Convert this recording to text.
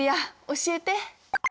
教えて！